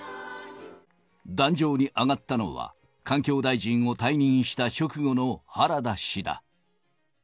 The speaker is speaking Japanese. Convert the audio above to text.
壇上に上がったのは、環境大臣を退任した直後の原田氏だ。